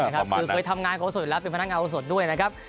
คือเคยทำงานของสดแล้วเป็นพนักงานโอสดด้วยนะครับ